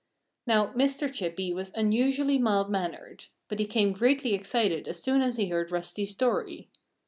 Now, Mr. Chippy was unusually mild mannered. But he became greatly excited as soon as he heard Rusty's story.